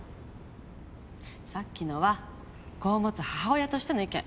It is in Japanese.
さっきのは子を持つ母親としての意見。